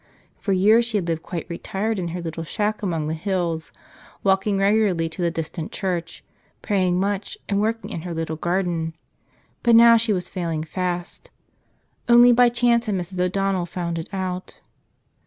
For years she had lived quite retired in her little shack among the hills, walking regularly to the distant church, praying much, and working in her little garden. But now she was failing fast. Only by chance had Mrs. O'Donnell found it out.